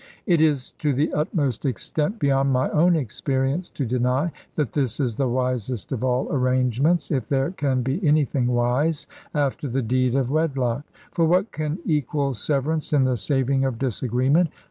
It is to the utmost extent beyond my own experience to deny, that this is the wisest of all arrangements (if there can be anything wise) after the deed of wedlock; for what can equal severance in the saving of disagreement?